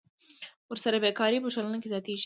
ورسره بېکاري په ټولنه کې زیاتېږي